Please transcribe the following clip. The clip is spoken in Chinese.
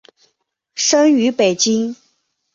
生于北京。